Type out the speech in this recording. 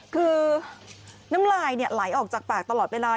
คือน้ำลายไหลออกจากปากตลอดเวลา